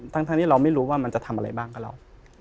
ทั้งที่เราไม่รู้ว่ามันจะทำอะไรบ้างกับเรา